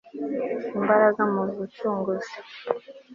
imbaraga mu bucunguzi